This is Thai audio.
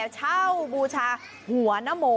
เช่าบูชาหัวนโม